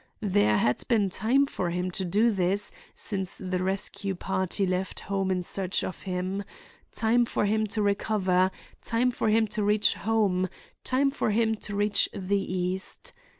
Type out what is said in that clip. There had been time for him to do this since the rescue party left home in search of him; time for him to recover, time for him to reach home, time for him to reach the east.